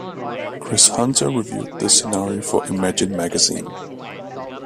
Chris Hunter reviewed the scenario for "Imagine" magazine.